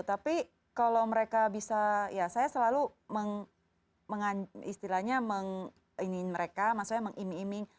tapi kalau mereka bisa ya saya selalu istilahnya mengingin mereka maksudnya mengiming iming